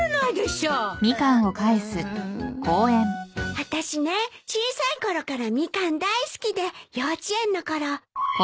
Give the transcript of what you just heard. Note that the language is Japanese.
あたしね小さい頃からミカン大好きで幼稚園の頃。